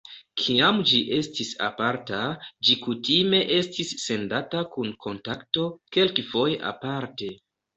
Kiam ĝi estis aparta, ĝi kutime estis sendata kun "Kontakto", kelkfoje aparte.